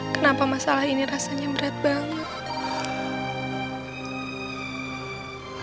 kenapa masalah ini rasanya berat banget